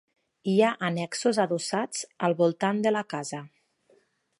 Hi ha annexos adossats al voltant de la casa.